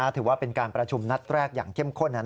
ถือว่าเป็นการประชุมนัดแรกอย่างเข้มข้น